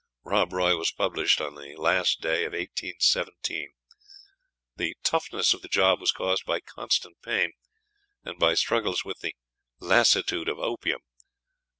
"Rob Roy" was published on the last day of 1817. The toughness of the job was caused by constant pain, and by struggles with "the lassitude of opium."